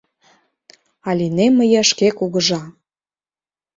А лийнем мые шке кугыжа».